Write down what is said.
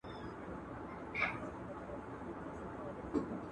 چپنه پاکه کړه!